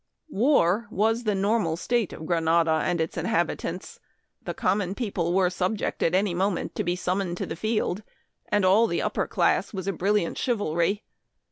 " War was the normal state of Granada and its inhabitants. The common people were sub ject at any moment to be summoned to the field, and all the upper class was a brilliant 1 82 Memoir of Washington Irving. chivalry.